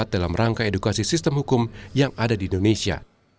dalam rangka edukasi sistem hukum yang ada di indonesia